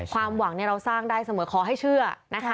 ความหวังเราสร้างได้เสมอขอให้เชื่อนะคะ